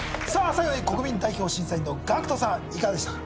最後に国民代表審査員のＧＡＣＫＴさんいかがでしたか？